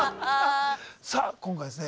さあ今回ですね